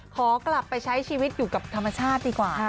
ขอกลับไปใช้ชีวิตอยู่กับธรรมชาติดีกว่า